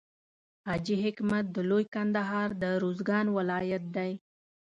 حاجي حکمت د لوی کندهار د روزګان ولایت دی.